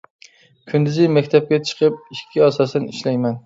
كۈندۈزى مەكتەپكە چىقىپ ئىككى ئاساسەن ئىشلەيمەن.